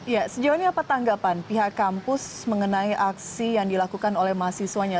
ya sejauh ini apa tanggapan pihak kampus mengenai aksi yang dilakukan oleh mahasiswanya